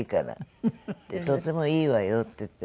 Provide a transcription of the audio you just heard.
「とてもいいわよ」って言って。